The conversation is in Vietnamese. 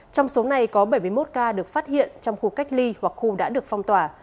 trong số này có bảy mươi một ca được phát hiện trong khu cách ly hoặc khu đã được phong tỏa